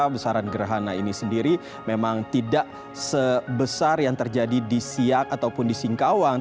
besaran gerhana ini sendiri memang tidak sebesar yang terjadi di siak ataupun di singkawang